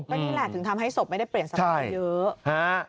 ก็นี่แหละถึงทำให้ศพไม่ได้เปลี่ยนสภาพเยอะฮะ